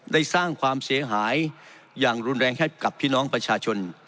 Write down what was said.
ได้สร้างความเสียหายอย่างรุนแรงให้กับพี่น้องประชาชน